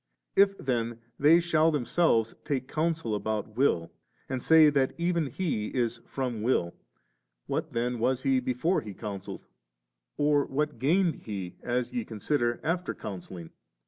If then they shall themselves take counsel about will, and say that even He is from will, what then was He before He coun selled, or what gained He, as ye consider, after counselling?